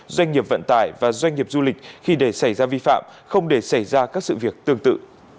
doanh nghiệp vận tải và doanh nghiệp du lịch khi để xảy ra vi phạm không để xảy ra các sự việc tương tự